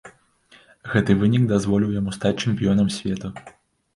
Гэты вынік дазволіў яму стаць чэмпіёнам свету.